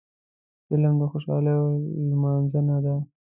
فلم د خوشحالیو لمانځنه ده